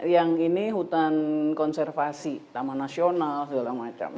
yang ini hutan konservasi taman nasional segala macam